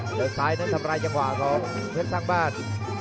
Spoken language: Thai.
เดี๋ยวซ้ายนั้นทำลายจังหวะของเพชรสร้างบ้าน